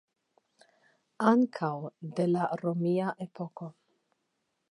Ankaŭ de romia epoko.